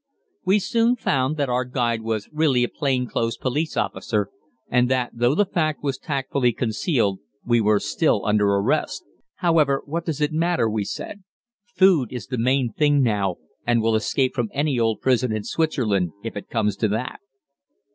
We soon found that our guide was really a plain clothes police officer, and that, though the fact was tactfully concealed, we were still under arrest. However, "What does it matter?" we said. "Food is the main thing now, and we'll escape from any old prison in Switzerland, if it comes to that."